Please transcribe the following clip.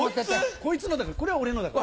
「こいつの」だからこれは俺のだから。